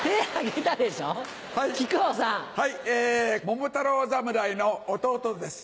桃太郎侍の弟です。